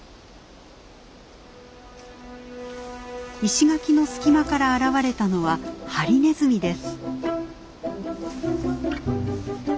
石垣の隙間から現れたのはハリネズミです。